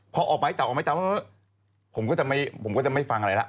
พอออกหมายจับออกไม้จับผมก็จะผมก็จะไม่ฟังอะไรแล้ว